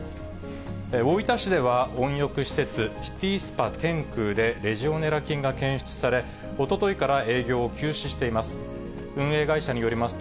大分市では、温浴施設、シティスパてんくうでレジオネラ菌が検出され、おとといから営業を休止しています。